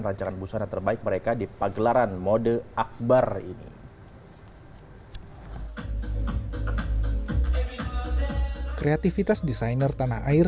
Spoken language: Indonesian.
rancangan busana terbaik mereka di pagelaran mode akbar ini kreativitas desainer tanah air